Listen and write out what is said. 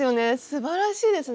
すばらしいですね。